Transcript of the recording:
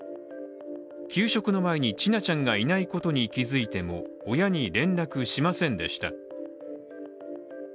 給食の前に千奈ちゃんがいないことに気付いても親に連絡しませんでした。